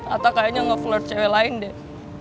atta kayaknya ngeflirt cewek lain deh